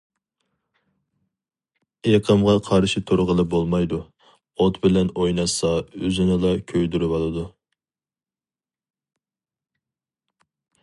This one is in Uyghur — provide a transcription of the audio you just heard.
ئېقىمغا قارشى تۇرغىلى بولمايدۇ، ئوت بىلەن ئويناشسا ئۆزىنىلا كۆيدۈرۈۋالىدۇ.